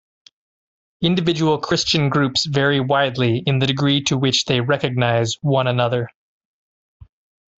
Individual Christian groups vary widely in the degree to which they recognize one another.